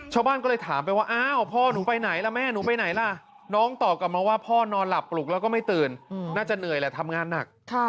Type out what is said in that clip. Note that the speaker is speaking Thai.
ชาวบ้านก็เลยถามไปว่าอ้าวพ่อหนูไปไหนล่ะแม่หนูไปไหนล่ะน้องตอบกลับมาว่าพ่อนอนหลับปลุกแล้วก็ไม่ตื่นน่าจะเหนื่อยแหละทำงานหนัก